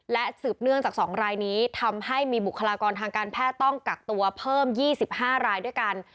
และสืบเนื่องจาก๒รายนี้ทำให้มีบุคลากรทางการแพทย์ต้องกักตัวเพิ่ม๒๕รายด้วยกัน